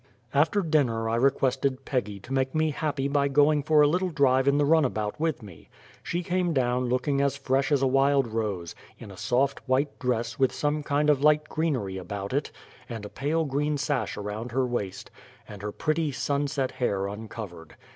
After dinner I requested Peggy to make me happy by going for a little drive in the runabout with me. She came down looking as fresh as a wild rose, in a soft, white dress with some kind of light greenery about it, and a pale green sash around her waist, and her pretty, sunset hair uncovered.